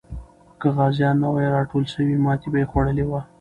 که غازیان نه وای راټول سوي، ماتې به یې خوړلې وه.